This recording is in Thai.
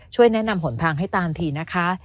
ช่วยแนะนำหนพังให้ตานทีนะคะ